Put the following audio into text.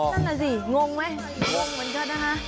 นั่นน่ะสิงงไหมงงเหมือนกันนะคะ